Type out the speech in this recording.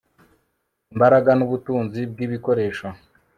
Imbaraga nubutunzi bwibikoresho